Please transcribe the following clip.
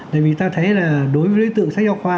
tại vì ta thấy là đối với lý tự sách giáo khoa